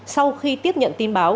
sau khi tiếp nhận tin báo